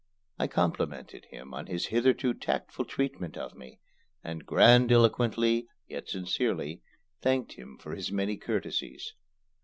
I complimented him on his hitherto tactful treatment of me, and grandiloquently yet sincerely thanked him for his many courtesies.